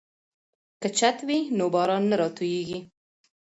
که چت وي نو باران نه راتوییږي.